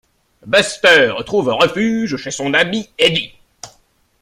Buster trouve refuge chez son ami Eddie.